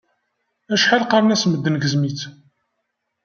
Acḥal qqaren-as medden gzem-itt.